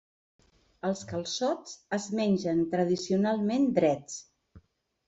Els calçots es mengen tradicionalment drets.